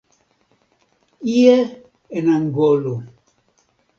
Ie en Angolo.